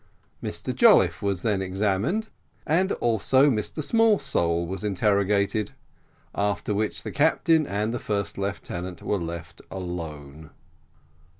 Mr Jolliffe was then examined, and also Mr Smallsole was interrogated: after which the captain and the first lieutenant were left alone.